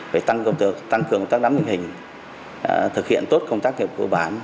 phải tăng cường các đám hình hình thực hiện tốt công tác nghiệp cơ bản